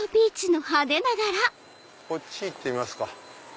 こっち行ってみますか。